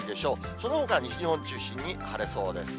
そのほか西日本を中心に晴れそうです。